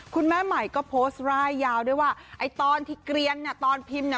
คุณแม่ใหม่ก็โพสต์ร่ายยาวด้วยว่าไอ้ตอนที่เกลียนน่ะตอนพิมพ์น่ะ